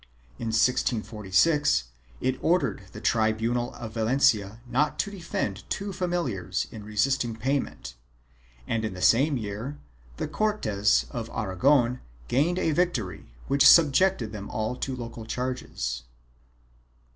In 1646 it ordered the tribunal of Valencia not to defend two familiars in resisting payment and in the same year the Cortes of Aragon gained a victory which subjected them to all local charges.